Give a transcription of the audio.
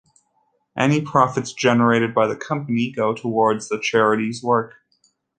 Any profits generated by the company go towards the Charity's work.